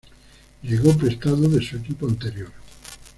Llegó prestado de su equipo anterior.